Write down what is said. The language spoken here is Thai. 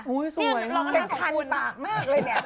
โอ้ยสวยมากหน้าของคุณ